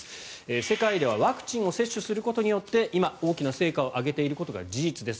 世界ではワクチンを接種することによって今、大きな成果を上げていることが事実です